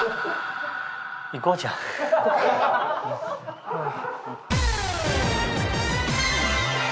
行こうじゃあ。